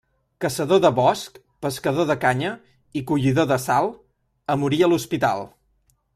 Caçador de bosc, pescador de canya i collidor de sal, a morir a l'hospital.